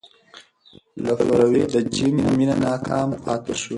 لفروی د جین مینه ناکام پاتې شوه.